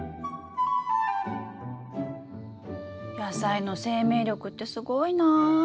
野菜の生命力ってすごいな！